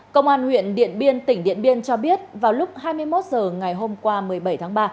công an huyện điện biên tỉnh điện biên cho biết vào lúc hai mươi một h ngày hôm qua một mươi bảy tháng ba